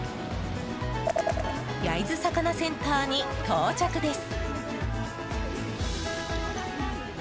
焼津さかなセンターに到着です。